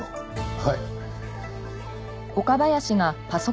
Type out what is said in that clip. はい。